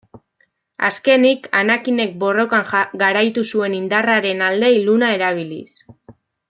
Azkenik Anakinek borrokan garaitu zuen indarraren alde iluna erabiliz.